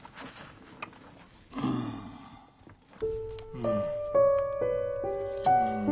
うん。